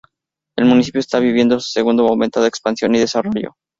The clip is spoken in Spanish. El municipio está viviendo su segundo momento de expansión y desarrollo.